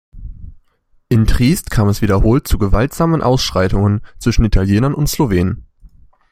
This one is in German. In Triest kam es wiederholt zu gewaltsamen Ausschreitungen zwischen Italienern und Slowenen.